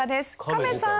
カメさーん！